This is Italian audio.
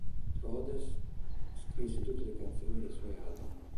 Rhodes scrisse tutte le canzoni dei suoi album.